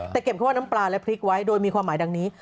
แต่เก็บแค่ว่าน้ำปลาและพริกไว้โดยมีความหมายดังนี้